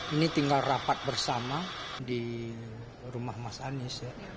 ini tinggal rapat bersama di rumah mas anies ya